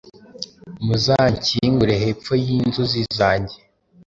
muzanshyingure hepfo y’inzuzi zanjye